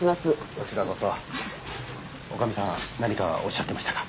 こちらこそ女将さん何かおっしゃってましたか？